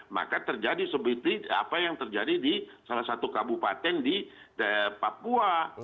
maka terjadi seperti apa yang terjadi di salah satu kabupaten di papua